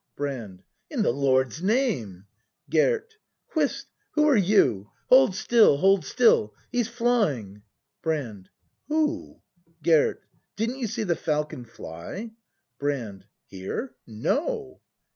Brand. In the Lord's name ! Gerd. Whist ! who are you ? Hold still, hold still; he's flying. Brand. Who? Gerd. Didn't you see the falcon fly? Brand. Here ? No.